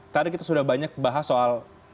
tadi kita sudah banyak bahas soal